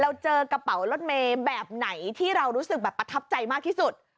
เจอกระเป๋ารถเมย์แบบไหนที่เรารู้สึกแบบประทับใจมากที่สุด